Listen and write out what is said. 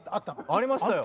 ありましたよ！